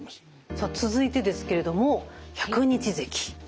さあ続いてですけれども百日ぜき。